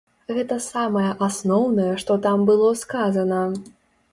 Гэта самае асноўнае, што там было сказана.